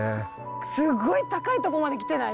すごい高いとこまで来てない？